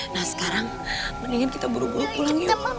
nah sekarang mendingan kita buru buru pulang yuk